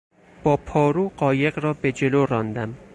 با پارو قایق را به جلو راندم.